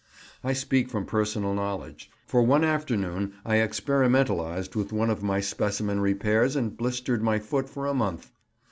I speak from personal knowledge, for one afternoon I experimentalized with one of my specimen repairs and blistered my foot for a month.